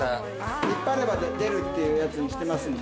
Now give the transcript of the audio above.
引っ張れば出るっていうやつにしてますんで。